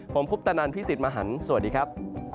ผมคุปตะนันพี่สิทธิ์มหันฯสวัสดีครับ